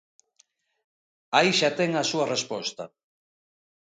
Aí xa ten a súa resposta.